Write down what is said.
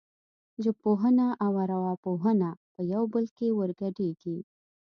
ژبپوهنه او ارواپوهنه په یو بل کې ورګډېږي